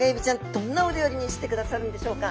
どんなお料理にしてくださるんでしょうか？